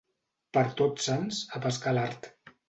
Per Tots Sants, a pescar a l'art.